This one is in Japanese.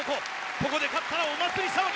ここで勝ったらお祭り騒ぎ。